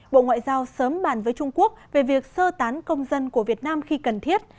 bộ ngoại giao sớm bàn với trung quốc về việc sơ tán công dân của việt nam khi cần thiết